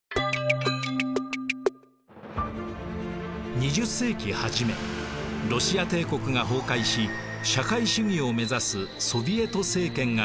２０世紀初めロシア帝国が崩壊し社会主義を目指すソヴィエト政権が誕生。